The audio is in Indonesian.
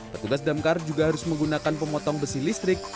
petugas damkar juga harus menggunakan pemotong besi listrik